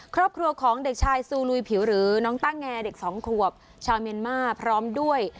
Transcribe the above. ครอบครัวของเด็กชายซูลุยผิวหรือน้องต้าแงเด็กสองขวบชาวเมียนมาร์พร้อมด้วย